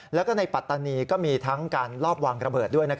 แล้วก็ในปัตตานีก็มีทั้งการลอบวางระเบิดด้วย